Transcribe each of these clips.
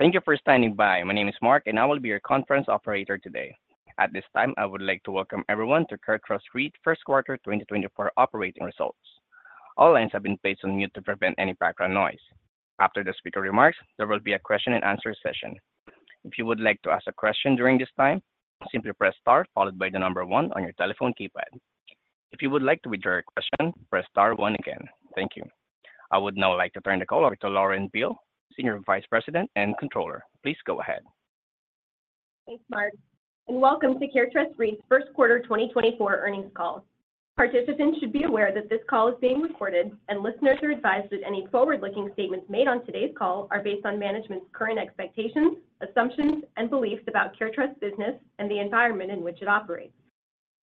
Thank you for standing by. My name is Mark, and I will be your conference operator today. At this time, I would like to welcome everyone to CareTrust REIT First Quarter 2024 operating results. All lines have been placed on mute to prevent any background noise. After the speaker remarks, there will be a question-and-answer session. If you would like to ask a question during this time, simply press * followed by the number 1 on your telephone keypad. If you would like to withdraw your question, press * 1 again. Thank you. I would now like to turn the call over to Lauren Beale, Senior Vice President and Controller. Please go ahead. Thanks, Mark, and welcome to CareTrust REIT's first quarter 2024 earnings call. Participants should be aware that this call is being recorded, and listeners are advised that any forward-looking statements made on today's call are based on management's current expectations, assumptions, and beliefs about CareTrust's business and the environment in which it operates.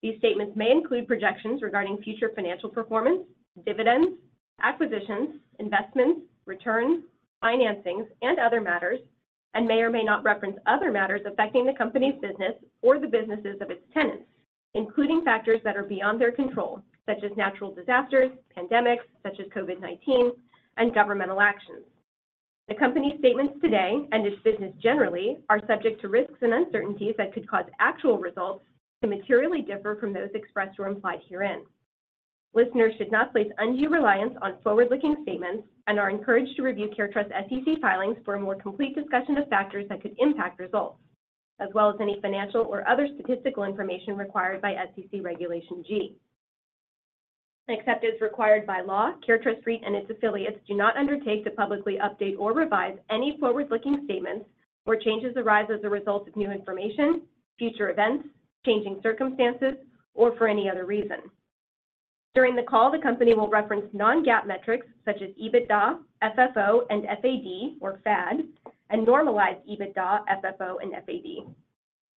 These statements may include projections regarding future financial performance, dividends, acquisitions, investments, returns, financings, and other matters, and may or may not reference other matters affecting the company's business or the businesses of its tenants, including factors that are beyond their control, such as natural disasters, pandemics such as COVID-19, and governmental actions. The company's statements today and its business generally are subject to risks and uncertainties that could cause actual results to materially differ from those expressed or implied herein. Listeners should not place undue reliance on forward-looking statements and are encouraged to review CareTrust's SEC filings for a more complete discussion of factors that could impact results, as well as any financial or other statistical information required by SEC Regulation G. Except as required by law, CareTrust REIT and its affiliates do not undertake to publicly update or revise any forward-looking statements where changes arise as a result of new information, future events, changing circumstances, or for any other reason. During the call, the company will reference non-GAAP metrics such as EBITDA, FFO, and FAD, and normalize EBITDA, FFO, and FAD.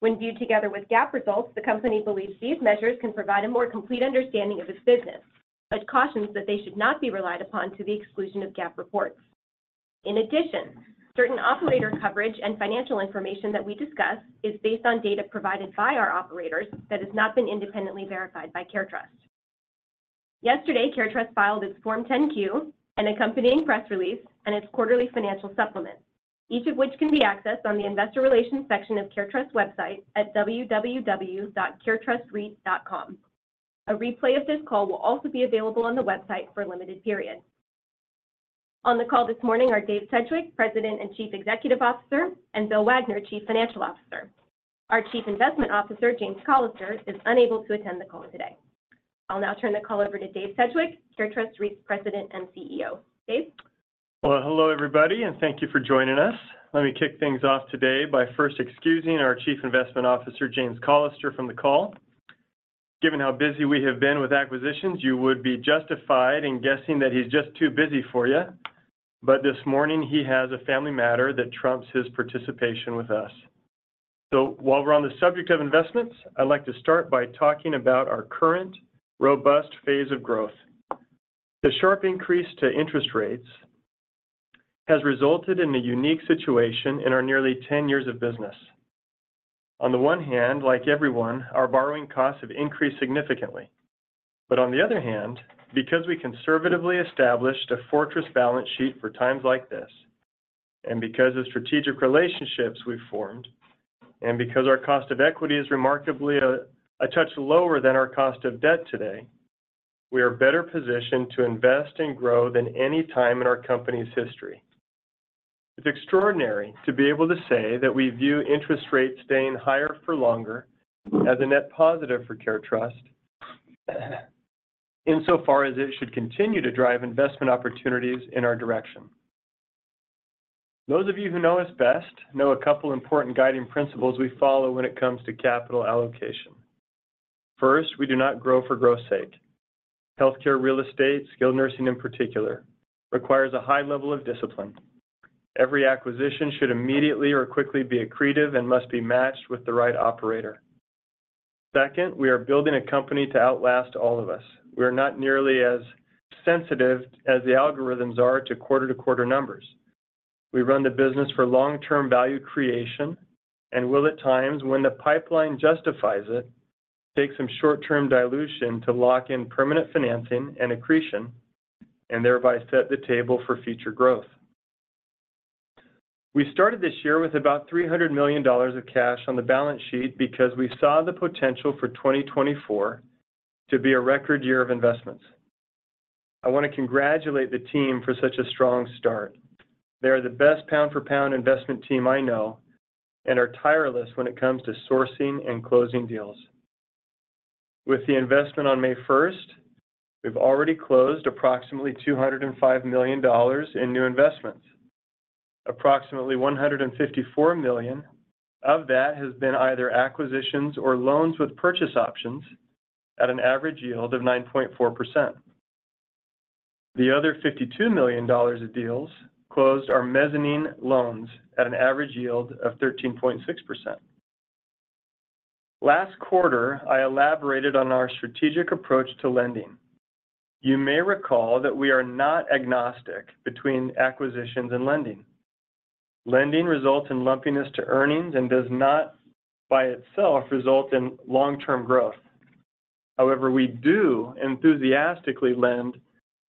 When viewed together with GAAP results, the company believes these measures can provide a more complete understanding of its business, but cautions that they should not be relied upon to the exclusion of GAAP reports. In addition, certain operator coverage and financial information that we discuss is based on data provided by our operators that has not been independently verified by CareTrust. Yesterday, CareTrust filed its Form 10-Q, an accompanying press release, and its quarterly financial supplement, each of which can be accessed on the Investor Relations section of CareTrust's website at www.caretrustreit.com. A replay of this call will also be available on the website for a limited period. On the call this morning are Dave Sedgwick, President and Chief Executive Officer, and Bill Wagner, Chief Financial Officer. Our Chief Investment Officer, James Callister, is unable to attend the call today. I'll now turn the call over to Dave Sedgwick, CareTrust REIT's President and CEO. Dave? Well, hello everybody, and thank you for joining us. Let me kick things off today by first excusing our Chief Investment Officer, James Callister, from the call. Given how busy we have been with acquisitions, you would be justified in guessing that he's just too busy for you. But this morning, he has a family matter that trumps his participation with us. So while we're on the subject of investments, I'd like to start by talking about our current robust phase of growth. The sharp increase to interest rates has resulted in a unique situation in our nearly 10 years of business. On the one hand, like everyone, our borrowing costs have increased significantly. But on the other hand, because we conservatively established a fortress balance sheet for times like this, and because of strategic relationships we've formed, and because our cost of equity is remarkably a touch lower than our cost of debt today, we are better positioned to invest and grow than any time in our company's history. It's extraordinary to be able to say that we view interest rates staying higher for longer as a net positive for CareTrust insofar as it should continue to drive investment opportunities in our direction. Those of you who know us best know a couple of important guiding principles we follow when it comes to capital allocation. First, we do not grow for growth's sake. Healthcare real estate, skilled nursing in particular, requires a high level of discipline. Every acquisition should immediately or quickly be accretive and must be matched with the right operator. Second, we are building a company to outlast all of us. We are not nearly as sensitive as the algorithms are to quarter-to-quarter numbers. We run the business for long-term value creation and will, at times, when the pipeline justifies it, take some short-term dilution to lock in permanent financing and accretion and thereby set the table for future growth. We started this year with about $300 million of cash on the balance sheet because we saw the potential for 2024 to be a record year of investments. I want to congratulate the team for such a strong start. They are the best pound-for-pound investment team I know and are tireless when it comes to sourcing and closing deals. With the investment on May 1st, we've already closed approximately $205 million in new investments. Approximately $154 million of that has been either acquisitions or loans with purchase options at an average yield of 9.4%. The other $52 million of deals closed are mezzanine loans at an average yield of 13.6%. Last quarter, I elaborated on our strategic approach to lending. You may recall that we are not agnostic between acquisitions and lending. Lending results in lumpiness to earnings and does not, by itself, result in long-term growth. However, we do enthusiastically lend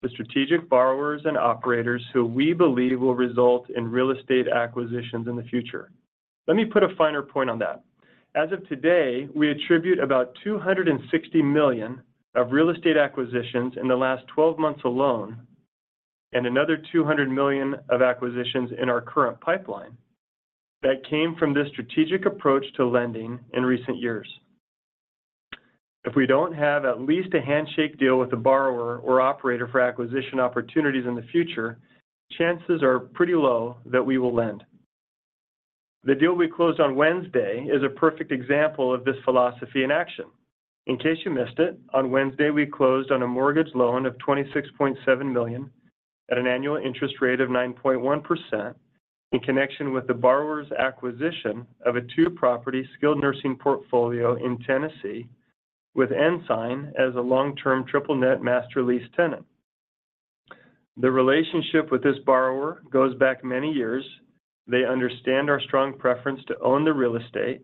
to strategic borrowers and operators who we believe will result in real estate acquisitions in the future. Let me put a finer point on that. As of today, we attribute about $260 million of real estate acquisitions in the last 12 months alone and another $200 million of acquisitions in our current pipeline that came from this strategic approach to lending in recent years. If we don't have at least a handshake deal with a borrower or operator for acquisition opportunities in the future, chances are pretty low that we will lend. The deal we closed on Wednesday is a perfect example of this philosophy in action. In case you missed it, on Wednesday, we closed on a mortgage loan of $26.7 million at an annual interest rate of 9.1% in connection with the borrower's acquisition of a two-property skilled nursing portfolio in Tennessee with Ensign as a long-term triple-net master lease tenant. The relationship with this borrower goes back many years. They understand our strong preference to own the real estate,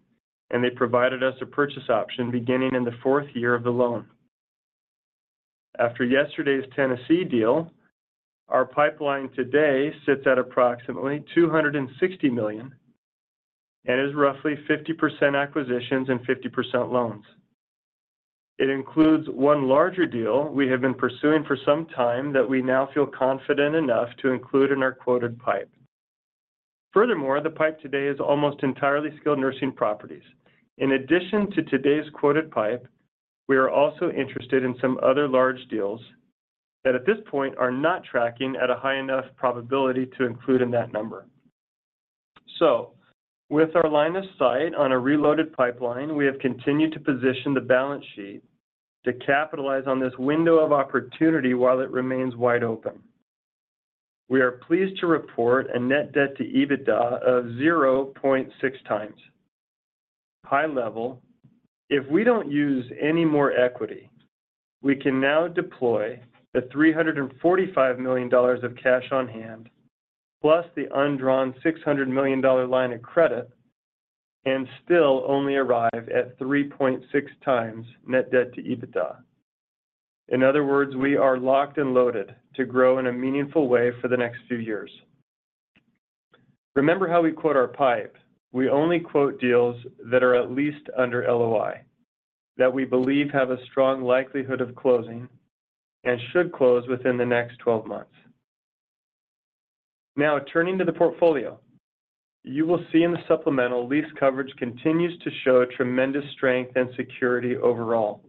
and they provided us a purchase option beginning in the fourth year of the loan. After yesterday's Tennessee deal, our pipeline today sits at approximately $260 million and is roughly 50% acquisitions and 50% loans. It includes one larger deal we have been pursuing for some time that we now feel confident enough to include in our quoted pipe. Furthermore, the pipe today is almost entirely skilled nursing properties. In addition to today's quoted pipe, we are also interested in some other large deals that, at this point, are not tracking at a high enough probability to include in that number. So with our line of sight on a reloaded pipeline, we have continued to position the balance sheet to capitalize on this window of opportunity while it remains wide open. We are pleased to report a net debt to EBITDA of 0.6 times. High level, if we don't use any more equity, we can now deploy the $345 million of cash on hand plus the undrawn $600 million line of credit and still only arrive at 3.6 times net debt to EBITDA. In other words, we are locked and loaded to grow in a meaningful way for the next few years. Remember how we quote our pipe. We only quote deals that are at least under LOI, that we believe have a strong likelihood of closing, and should close within the next 12 months. Now, turning to the portfolio, you will see in the supplemental, lease coverage continues to show tremendous strength and security overall.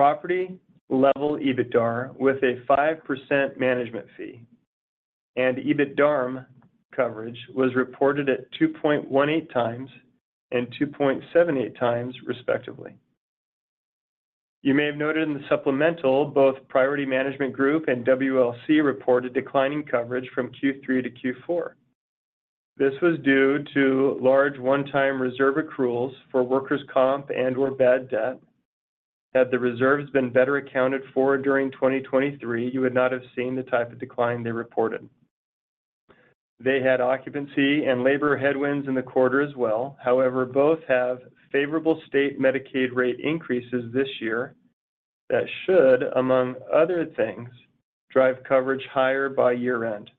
Property-level EBITDA with a 5% management fee and EBITDARM coverage was reported at 2.18 times and 2.78 times, respectively. You may have noted in the supplemental, both Priority Management Group and WLC reported declining coverage from Q3 to Q4. This was due to large one-time reserve accruals for workers' comp and/or bad debt. Had the reserves been better accounted for during 2023, you would not have seen the type of decline they reported. They had occupancy and labor headwinds in the quarter as well. However, both have favorable state Medicaid rate increases this year that should, among other things, drive coverage higher by year-end.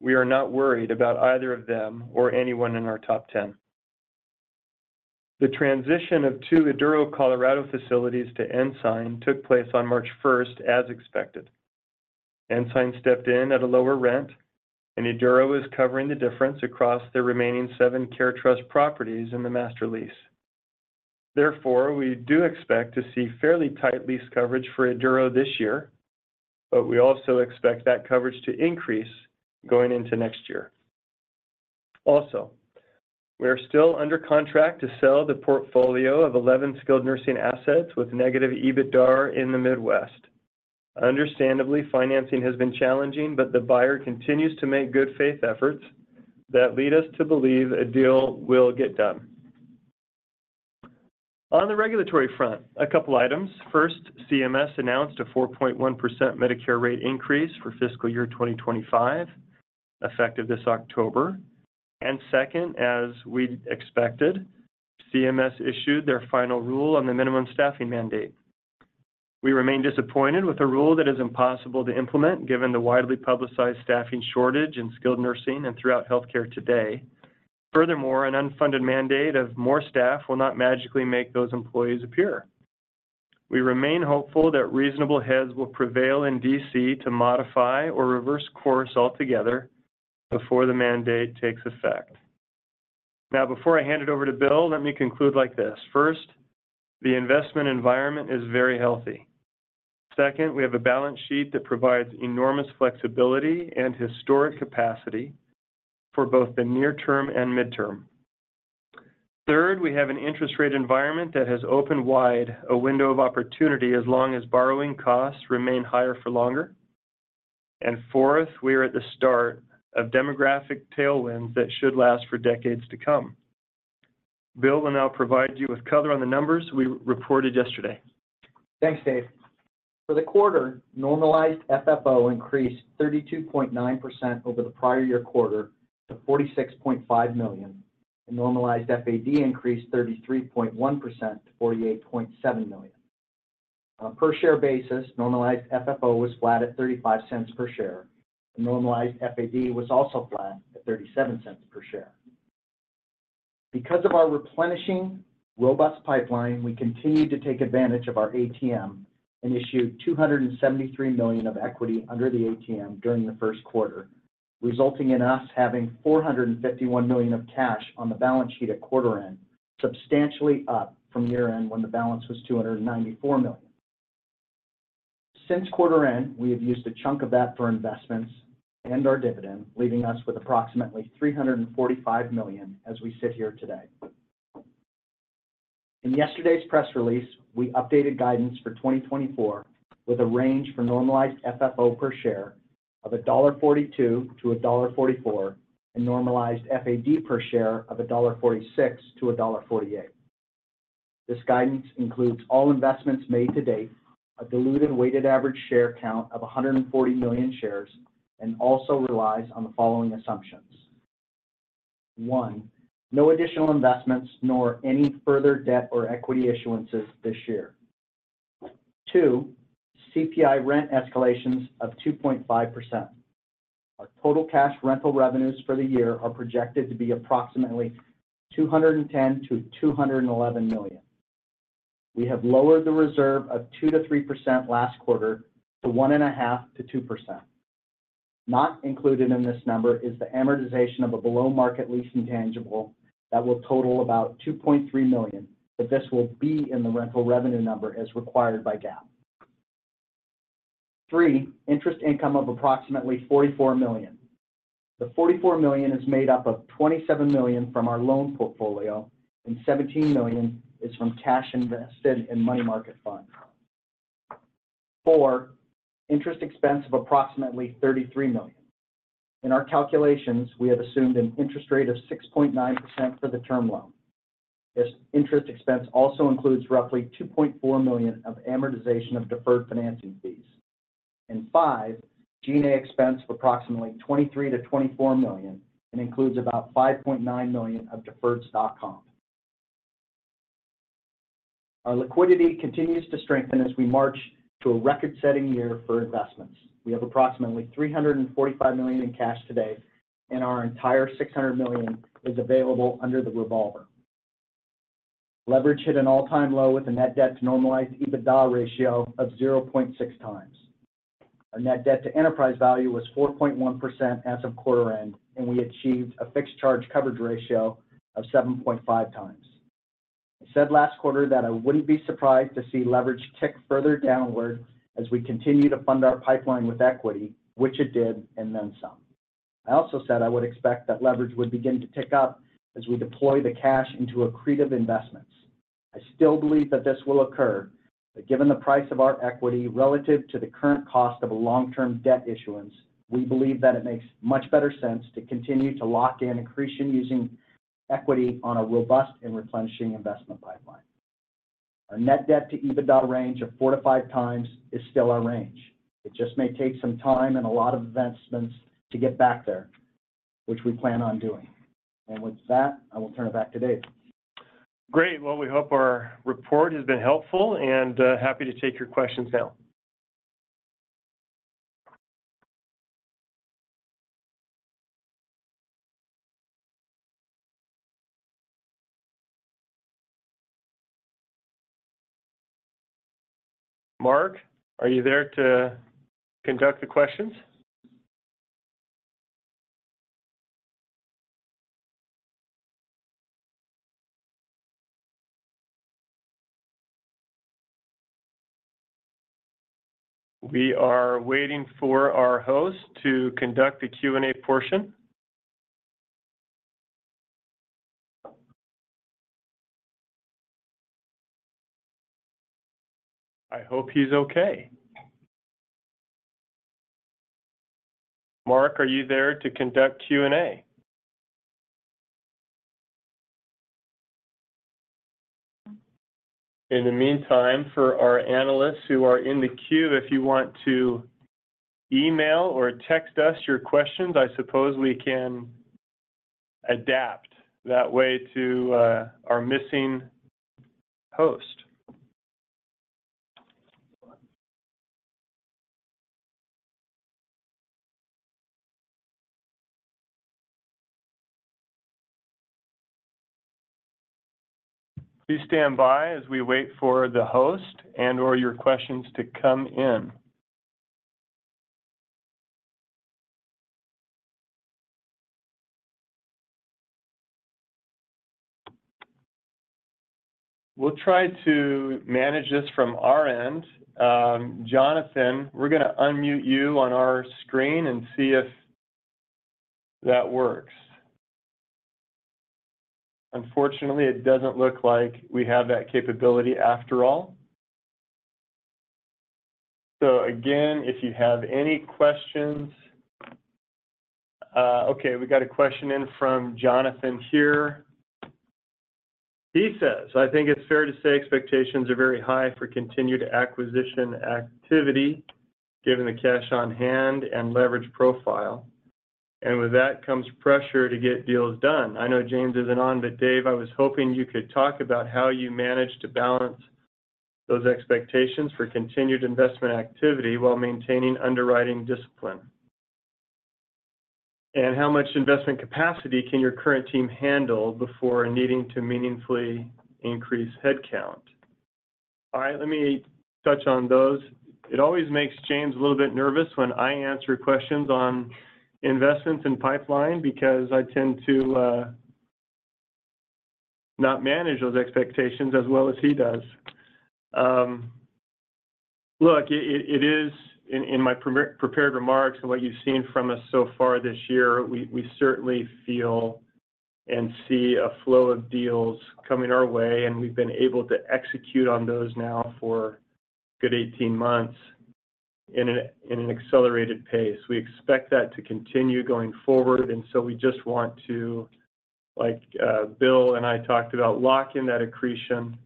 We are not worried about either of them or anyone in our top 10. The transition of two Eduro, Colorado facilities to Ensign took place on March 1st, as expected. Ensign stepped in at a lower rent, and Eduro is covering the difference across the remaining seven CareTrust properties in the master lease. Therefore, we do expect to see fairly tight lease coverage for Eduro this year, but we also expect that coverage to increase going into next year. Also, we are still under contract to sell the portfolio of 11 skilled nursing assets with negative EBITDAR in the Midwest. Understandably, financing has been challenging, but the buyer continues to make good faith efforts that lead us to believe a deal will get done. On the regulatory front, a couple of items. First, CMS announced a 4.1% Medicare rate increase for fiscal year 2025, effective this October. And second, as we expected, CMS issued their final rule on the minimum staffing mandate. We remain disappointed with a rule that is impossible to implement given the widely publicized staffing shortage in skilled nursing and throughout healthcare today. Furthermore, an unfunded mandate of more staff will not magically make those employees appear. We remain hopeful that reasonable heads will prevail in D.C. to modify or reverse course altogether before the mandate takes effect. Now, before I hand it over to Bill, let me conclude like this. First, the investment environment is very healthy. Second, we have a balance sheet that provides enormous flexibility and historic capacity for both the near-term and mid-term. Third, we have an interest rate environment that has opened wide a window of opportunity as long as borrowing costs remain higher for longer. And fourth, we are at the start of demographic tailwinds that should last for decades to come. Bill will now provide you with color on the numbers we reported yesterday. Thanks, Dave. For the quarter, normalized FFO increased 32.9% over the prior year quarter to $46.5 million, and normalized FAD increased 33.1% to $48.7 million. On a per-share basis, normalized FFO was flat at $0.35 per share, and normalized FAD was also flat at $0.37 per share. Because of our replenishing, robust pipeline, we continued to take advantage of our ATM and issued $273 million of equity under the ATM during the first quarter, resulting in us having $451 million of cash on the balance sheet at quarter-end, substantially up from year-end when the balance was $294 million. Since quarter-end, we have used a chunk of that for investments and our dividend, leaving us with approximately $345 million as we sit here today. In yesterday's press release, we updated guidance for 2024 with a range for normalized FFO per share of $1.42-$1.44 and normalized FAD per share of $1.46-$1.48. This guidance includes all investments made to date, a diluted weighted average share count of 140 million shares, and also relies on the following assumptions: One, no additional investments nor any further debt or equity issuances this year. Two, CPI rent escalations of 2.5%. Our total cash rental revenues for the year are projected to be approximately $210 million-$211 million. We have lowered the reserve of 2%-3% last quarter to 1.5%-2%. Not included in this number is the amortization of a below-market lease intangible that will total about $2.3 million, but this will be in the rental revenue number as required by GAAP. Three, interest income of approximately $44 million. The $44 million is made up of $27 million from our loan portfolio, and $17 million is from cash invested in money market funds. Four, interest expense of approximately $33 million. In our calculations, we have assumed an interest rate of 6.9% for the term loan. This interest expense also includes roughly $2.4 million of amortization of deferred financing fees. And five, G&A expense of approximately $23-$24 million and includes about $5.9 million of deferred stock comp. Our liquidity continues to strengthen as we march to a record-setting year for investments. We have approximately $345 million in cash today, and our entire $600 million is available under the revolver. Leverage hit an all-time low with a net debt to normalized EBITDA ratio of 0.6 times. Our net debt to enterprise value was 4.1% as of quarter-end, and we achieved a fixed charge coverage ratio of 7.5 times. I said last quarter that I wouldn't be surprised to see leverage tick further downward as we continue to fund our pipeline with equity, which it did, and then some. I also said I would expect that leverage would begin to tick up as we deploy the cash into accretive investments. I still believe that this will occur, but given the price of our equity relative to the current cost of a long-term debt issuance, we believe that it makes much better sense to continue to lock in accretion using equity on a robust and replenishing investment pipeline. Our net debt to EBITDA range of 4-5 times is still our range. It just may take some time and a lot of investments to get back there, which we plan on doing. And with that, I will turn it back to Dave. Great. Well, we hope our report has been helpful, and happy to take your questions now. Mark, are you there to conduct the questions? We are waiting for our host to conduct the Q&A portion. I hope he's okay. Mark, are you there to conduct Q&A? In the meantime, for our analysts who are in the queue, if you want to email or text us your questions, I suppose we can adapt that way to our missing host. Please stand by as we wait for the host and/or your questions to come in. We'll try to manage this from our end. Jonathan, we're going to unmute you on our screen and see if that works. Unfortunately, it doesn't look like we have that capability after all. So again, if you have any questions, okay, we got a question in from Jonathan here. He says, "I think it's fair to say expectations are very high for continued acquisition activity given the cash on hand and leverage profile. And with that comes pressure to get deals done." I know James isn't on, but Dave, I was hoping you could talk about how you manage to balance those expectations for continued investment activity while maintaining underwriting discipline. "And how much investment capacity can your current team handle before needing to meaningfully increase headcount?" All right. Let me touch on those. It always makes James a little bit nervous when I answer questions on investments and pipeline because I tend to not manage those expectations as well as he does. Look, it is in my prepared remarks and what you've seen from us so far this year. We certainly feel and see a flow of deals coming our way, and we've been able to execute on those now for good 18 months in an accelerated pace. We expect that to continue going forward, and so we just want to, like Bill and I talked about, lock in that accretion,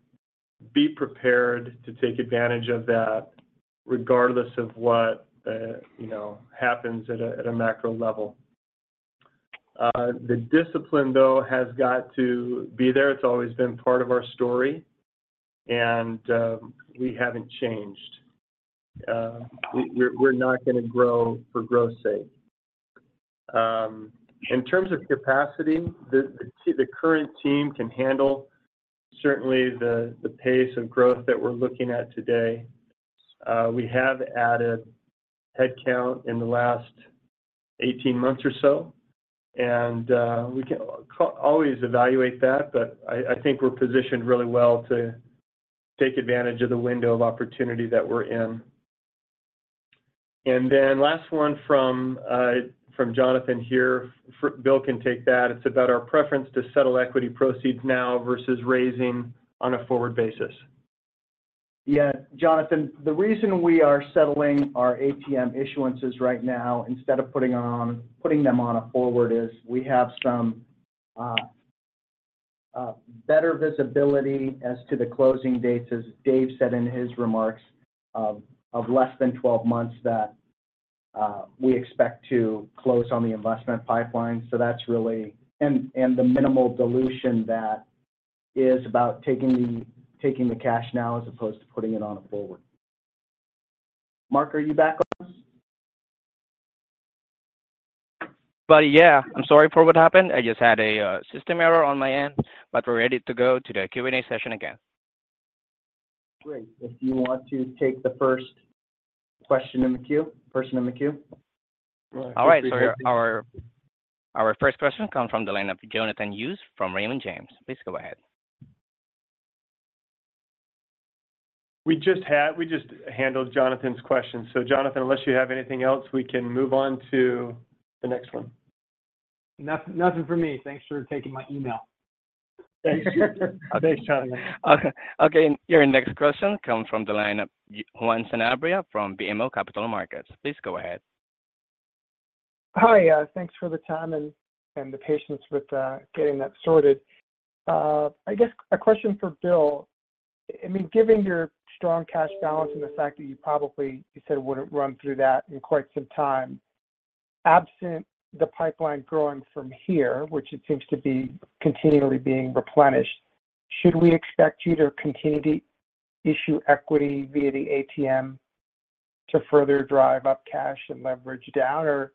be prepared to take advantage of that regardless of what happens at a macro level. The discipline, though, has got to be there. It's always been part of our story, and we haven't changed. We're not going to grow for growth's sake. In terms of capacity, the current team can handle certainly the pace of growth that we're looking at today. We have added headcount in the last 18 months or so, and we can always evaluate that, but I think we're positioned really well to take advantage of the window of opportunity that we're in. And then last one from Jonathan here. Bill can take that. It's about our preference to settle equity proceeds now versus raising on a forward basis. Yeah. Jonathan, the reason we are settling our ATM issuances right now instead of putting them on a forward is we have some better visibility as to the closing dates, as Dave said in his remarks, of less than 12 months that we expect to close on the investment pipeline. So that's really and the minimal dilution that is about taking the cash now as opposed to putting it on a forward. Mark, are you back on us? Buddy, yeah. I'm sorry for what happened. I just had a system error on my end, but we're ready to go to the Q&A session again. Great. If you want to take the first question in the queue, person in the queue. All right. Our first question comes from the lineup. Jonathan Hughes from Raymond James. Please go ahead. We just handled Jonathan's question. Jonathan, unless you have anything else, we can move on to the next one. Nothing for me. Thanks for taking my email. Thanks. Thanks, Jonathan. Okay. Your next question comes from the lineup, Juan Sanabria from BMO Capital Markets. Please go ahead. Hi. Thanks for the time and the patience with getting that sorted. I guess a question for Bill. I mean, given your strong cash balance and the fact that you probably you said it wouldn't run through that in quite some time, absent the pipeline growing from here, which it seems to be continually being replenished, should we expect you to continue to issue equity via the ATM to further drive up cash and leverage down? Or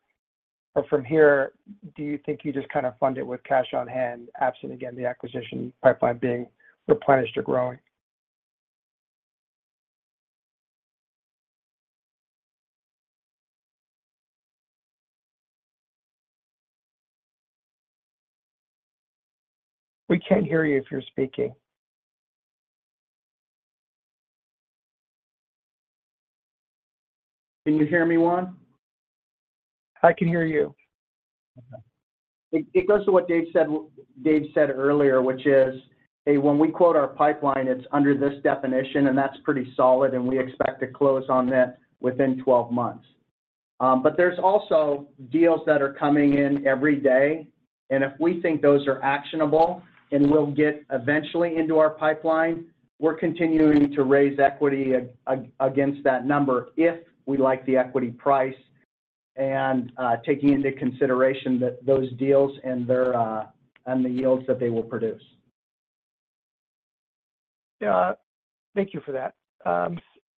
from here, do you think you just kind of fund it with cash on hand absent, again, the acquisition pipeline being replenished or growing? We can't hear you if you're speaking. Can you hear me, Juan? I can hear you. It goes to what Dave said earlier, which is, "Hey, when we quote our pipeline, it's under this definition, and that's pretty solid, and we expect to close on that within 12 months." But there's also deals that are coming in every day, and if we think those are actionable and will get eventually into our pipeline, we're continuing to raise equity against that number if we like the equity price and taking into consideration those deals and the yields that they will produce. Yeah. Thank you for that.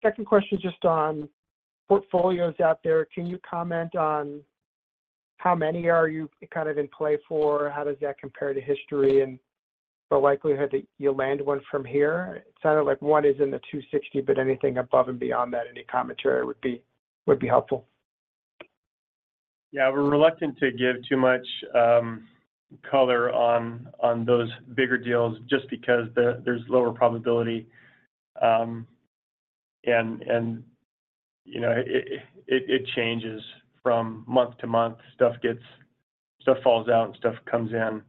Second question is just on portfolios out there. Can you comment on how many are you kind of in play for? How does that compare to history and the likelihood that you'll land one from here? It sounded like one is in the 260, but anything above and beyond that, any commentary would be helpful. Yeah. We're reluctant to give too much color on those bigger deals just because there's lower probability, and it changes from month to month. Stuff falls out and stuff comes in.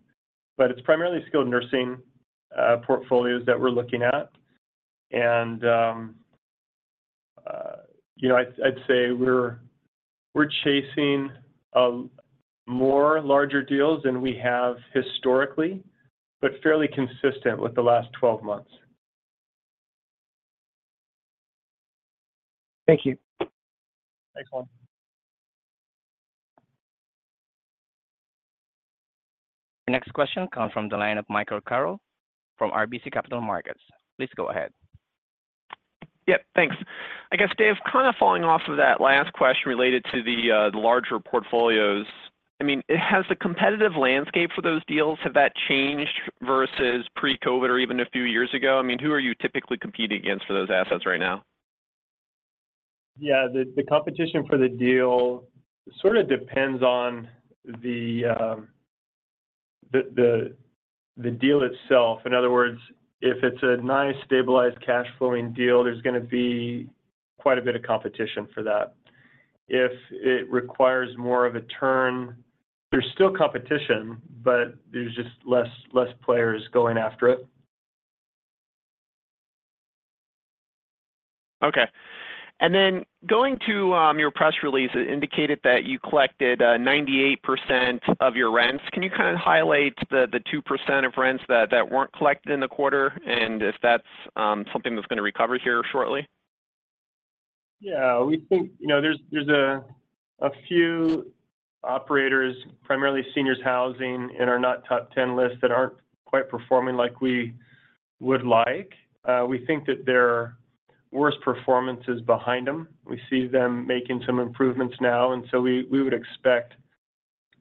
But it's primarily still nursing portfolios that we're looking at. And I'd say we're chasing more, larger deals than we have historically, but fairly consistent with the last 12 months. Thank you. Thanks, Juan. Your next question comes from the lineup, Michael Carroll from RBC Capital Markets. Please go ahead. Yep. Thanks. I guess, Dave, kind of falling off of that last question related to the larger portfolios, I mean, has the competitive landscape for those deals? Has that changed versus pre-COVID or even a few years ago? I mean, who are you typically competing against for those assets right now? Yeah. The competition for the deal sort of depends on the deal itself. In other words, if it's a nice, stabilized, cash-flowing deal, there's going to be quite a bit of competition for that. If it requires more of a turn, there's still competition, but there's just less players going after it. Okay. And then going to your press release, it indicated that you collected 98% of your rents. Can you kind of highlight the 2% of rents that weren't collected in the quarter and if that's something that's going to recover here shortly? Yeah.We think there's a few operators, primarily seniors housing, in our not-top-10 list that aren't quite performing like we would like. We think that their worst performance is behind them. We see them making some improvements now, and so we would expect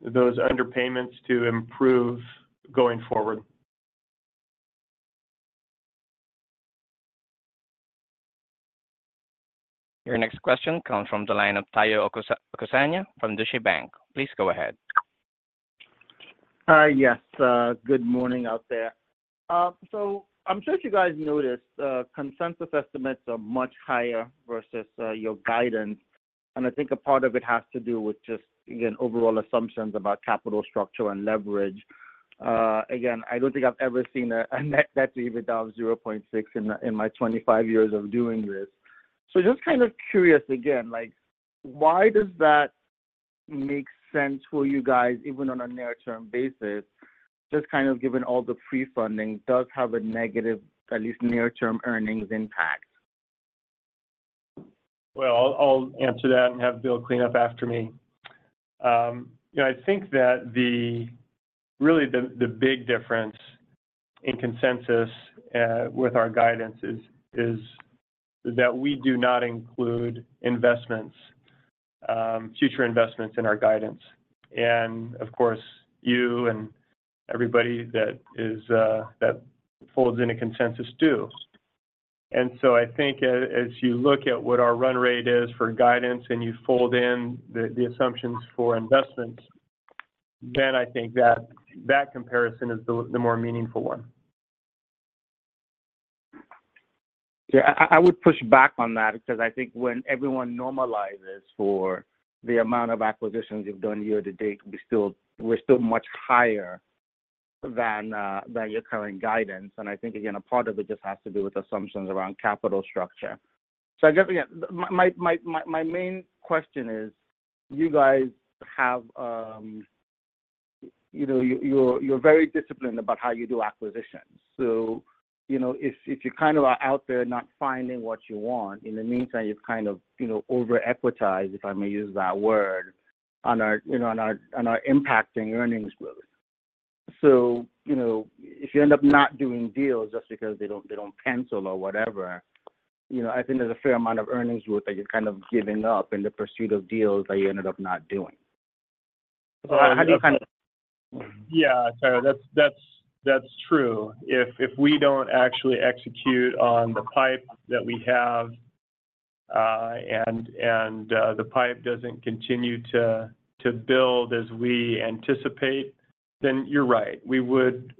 those underpayments to improve going forward. Your next question comes from the line of Tayo Okusanya from Deutsche Bank. Please go ahead. Yes. Good morning out there. So I'm sure you guys noticed consensus estimates are much higher versus your guidance, and I think a part of it has to do with just, again, overall assumptions about capital structure and leverage. Again, I don't think I've ever seen a net debt to EBITDA of 0.6 in my 25 years of doing this. So just kind of curious, again, why does that make sense for you guys, even on a near-term basis, just kind of given all the pre-funding, does have a negative, at least near-term, earnings impact? Well, I'll answer that and have Bill clean up after me. I think that really the big difference in consensus with our guidance is that we do not include future investments in our guidance. And of course, you and everybody that folds into consensus do. And so I think as you look at what our run rate is for guidance and you fold in the assumptions for investments, then I think that comparison is the more meaningful one. Yeah. I would push back on that because I think when everyone normalizes for the amount of acquisitions you've done year to date, we're still much higher than your current guidance. And I think, again, a part of it just has to do with assumptions around capital structure. So I guess, again, my main question is, you guys, you're very disciplined about how you do acquisitions. So if you kind of are out there not finding what you want, in the meantime, you've kind of over-equitized, if I may use that word, on or impacting earnings growth. So if you end up not doing deals just because they don't pencil or whatever, I think there's a fair amount of earnings growth that you're kind of giving up in the pursuit of deals that you ended up not doing. So how do you kind of. Yeah. Tayo, that's true. If we don't actually execute on the pipe that we have and the pipe doesn't continue to build as we anticipate, then you're right. We would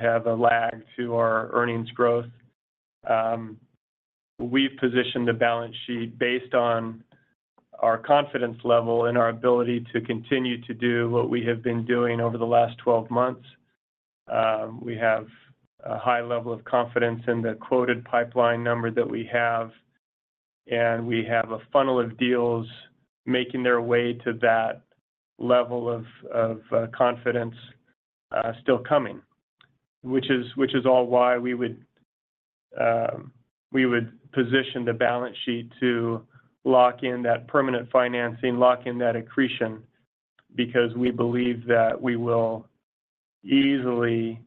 have a lag to our earnings growth. We've positioned the balance sheet based on our confidence level and our ability to continue to do what we have been doing over the last 12 months. We have a high level of confidence in the quoted pipeline number that we have, and we have a funnel of deals making their way to that level of confidence still coming, which is all why we would position the balance sheet to lock in that permanent financing, lock in that accretion because we believe that we will easily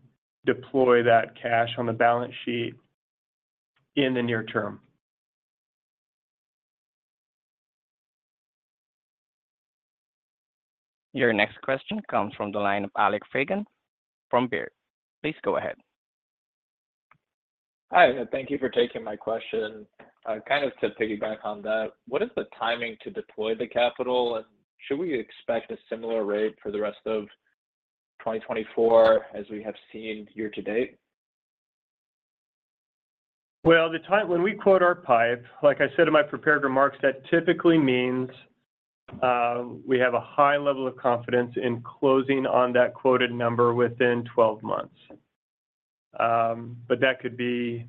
deploy that cash on the balance sheet in the near term. Your next question comes from the line of Alec Fagan from Baird. Please go ahead. Hi. Thank you for taking my question. Kind of to piggyback on that, what is the timing to deploy the capital? And should we expect a similar rate for the rest of 2024 as we have seen year to date? Well, when we quote our pipe, like I said in my prepared remarks, that typically means we have a high level of confidence in closing on that quoted number within 12 months. But that could be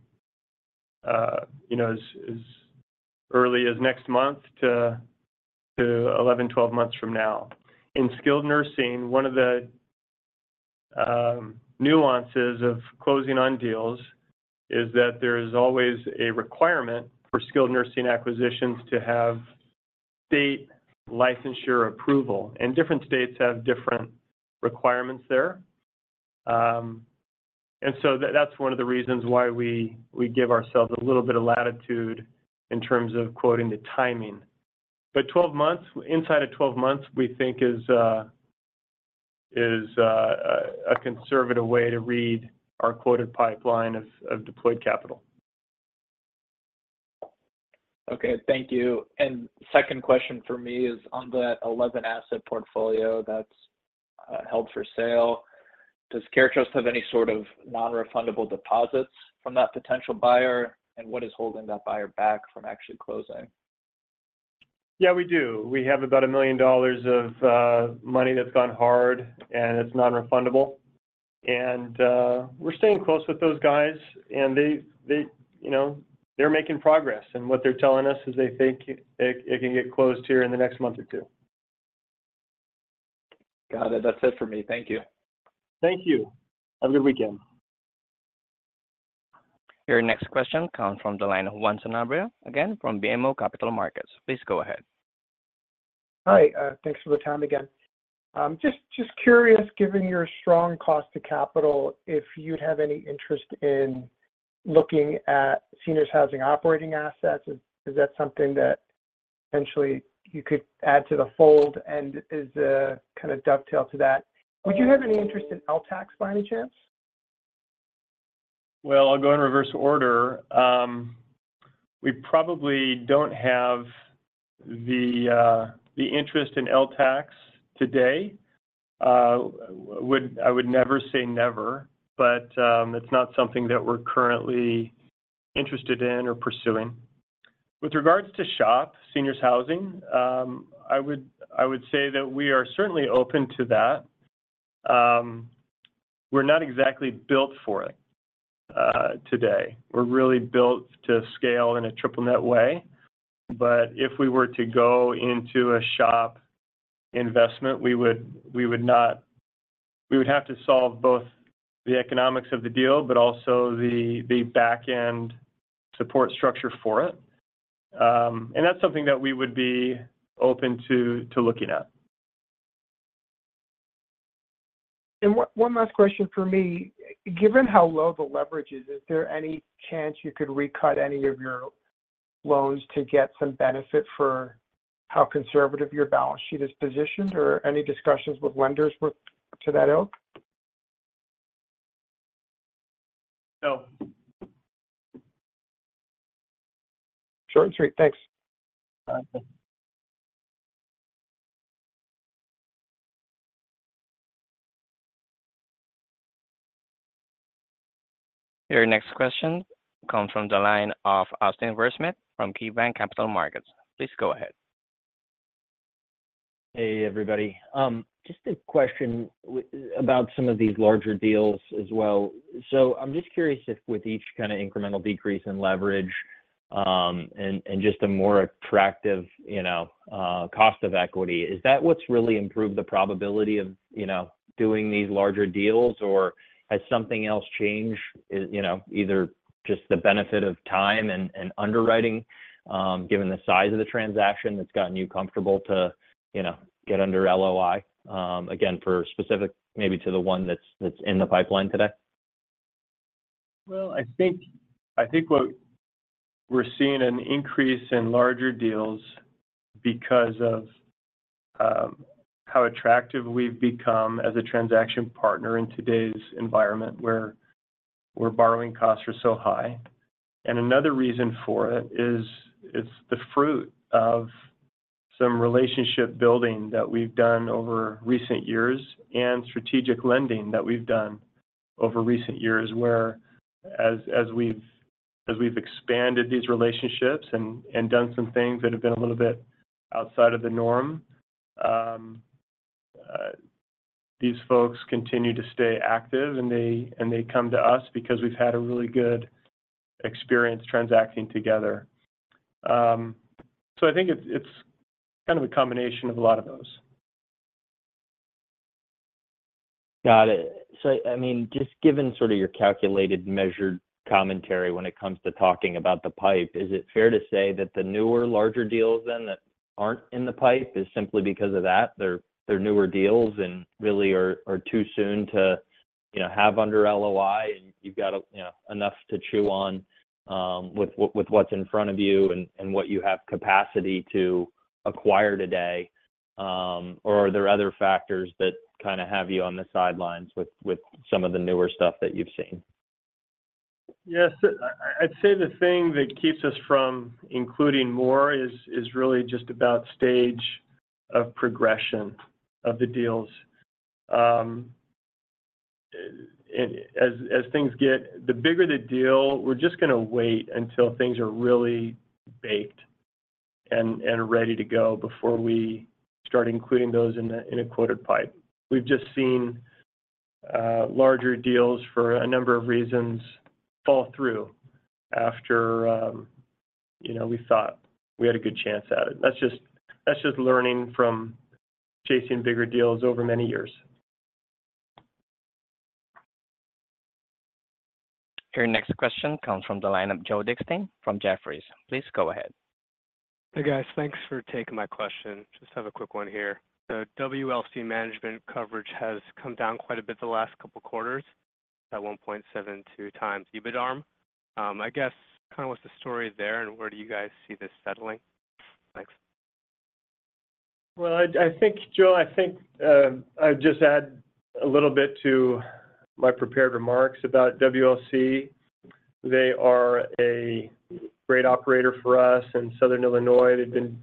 as early as next month to 11, 12 months from now. In skilled nursing, one of the nuances of closing on deals is that there is always a requirement for skilled nursing acquisitions to have state licensure approval. And different states have different requirements there. And so that's one of the reasons why we give ourselves a little bit of latitude in terms of quoting the timing. But inside of 12 months, we think is a conservative way to read our quoted pipeline of deployed capital. Okay. Thank you. And second question for me is, on that 11-asset portfolio that's held for sale, does CareTrust have any sort of non-refundable deposits from that potential buyer, and what is holding that buyer back from actually closing? Yeah. We do. We have about $1 million of money that's gone hard, and it's non-refundable. And we're staying close with those guys, and they're making progress. And what they're telling us is they think it can get closed here in the next month or two. Got it. That's it for me. Thank you. Thank you. Have a good weekend. Your next question comes from the lineup, Juan Sanabria, again from BMO Capital Markets. Please go ahead. Hi. Thanks for the time again. Just curious, given your strong cost of capital, if you'd have any interest in looking at seniors housing operating assets, is that something that eventually you could add to the fold? And as a kind of dovetail to that, would you have any interest in LTAC, by any chance? Well, I'll go in reverse order. We probably don't have the interest in LTAC today. I would never say never, but it's not something that we're currently interested in or pursuing. With regards to SHOP, seniors housing, I would say that we are certainly open to that. We're not exactly built for it today. We're really built to scale in a triple net way. But if we were to go into a SHOP investment, we would have to solve both the economics of the deal but also the back-end support structure for it. And that's something that we would be open to looking at. One last question for me. Given how low the leverage is, is there any chance you could recut any of your loans to get some benefit for how conservative your balance sheet is positioned? Or any discussions with lenders to that end? No. Short and sweet. Thanks. Your next question comes from the line of Austin Wurschmidt from KeyBanc Capital Markets. Please go ahead. Hey, everybody. Just a question about some of these larger deals as well. So I'm just curious if with each kind of incremental decrease in leverage and just a more attractive cost of equity, is that what's really improved the probability of doing these larger deals? Or has something else changed, either just the benefit of time and underwriting, given the size of the transaction that's gotten you comfortable to get under LOI, again, maybe to the one that's in the pipeline today? Well, I think we're seeing an increase in larger deals because of how attractive we've become as a transaction partner in today's environment where borrowing costs are so high. And another reason for it is it's the fruit of some relationship-building that we've done over recent years and strategic lending that we've done over recent years where, as we've expanded these relationships and done some things that have been a little bit outside of the norm, these folks continue to stay active, and they come to us because we've had a really good experience transacting together. So I think it's kind of a combination of a lot of those. Got it. So I mean, just given sort of your calculated, measured commentary when it comes to talking about the pipe, is it fair to say that the newer, larger deals then that aren't in the pipe is simply because of that? They're newer deals and really are too soon to have under LOI, and you've got enough to chew on with what's in front of you and what you have capacity to acquire today? Or are there other factors that kind of have you on the sidelines with some of the newer stuff that you've seen? Yes. I'd say the thing that keeps us from including more is really just about stage of progression of the deals. The bigger the deal, we're just going to wait until things are really baked and ready to go before we start including those in a quoted pipe. We've just seen larger deals, for a number of reasons, fall through after we thought we had a good chance at it. That's just learning from chasing bigger deals over many years. Your next question comes from the lineup, Joe Dickstein from Jefferies. Please go ahead. Hey, guys. Thanks for taking my question. Just have a quick one here. The WLC management coverage has come down quite a bit the last couple of quarters by 1.72 times. EBITDARM, I guess, kind of what's the story there, and where do you guys see this settling? Thanks. Well, Joe, I think I'd just add a little bit to my prepared remarks about WLC. They are a great operator for us in Southern Illinois. They've been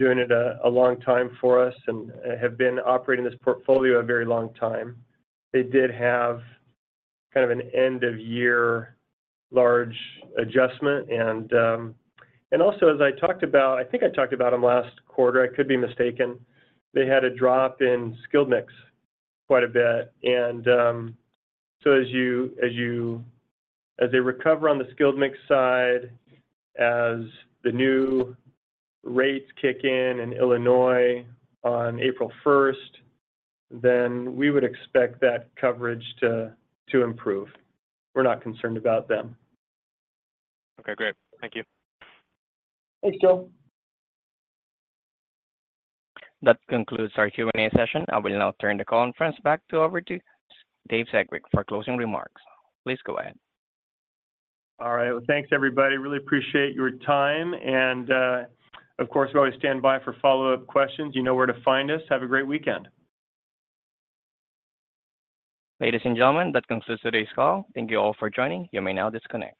doing it a long time for us and have been operating this portfolio a very long time. They did have kind of an end-of-year large adjustment. And also, as I talked about, I think I talked about them last quarter. I could be mistaken. They had a drop in skilled mix quite a bit. And so as they recover on the skilled mix side, as the new rates kick in in Illinois on April 1st, then we would expect that coverage to improve. We're not concerned about them. Okay. Great. Thank you. Thanks, Joe. That concludes our Q&A session. I will now turn the conference back over to Dave Sedgwick for closing remarks. Please go ahead. All right. Well, thanks, everybody. Really appreciate your time. Of course, we always stand by for follow-up questions. You know where to find us. Have a great weekend. Ladies and gentlemen, that concludes today's call. Thank you all for joining. You may now disconnect.